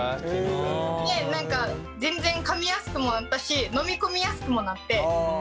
何か全然かみやすくもなったし飲み込みやすくもなって。